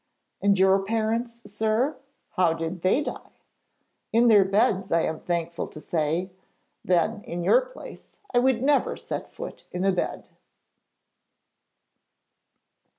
'And your parents, sir? How did they die?' 'In their beds, I am thankful to say!' 'Then, in your place, I would never set foot in a bed.'